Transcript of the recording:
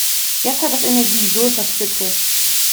Jetzt hat das Energie, so ist das spitze.